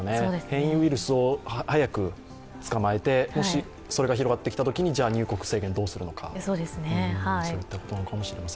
変異ウイルスを早くつかまえて、もしそれが広がってきたときに入国制限どうするのか。